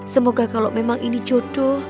semoga kalau memang ini jodoh